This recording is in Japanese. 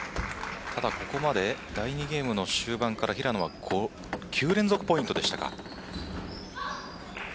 ただ、ここまで第２ゲームの終盤から平野は９連続ポイントでしたか。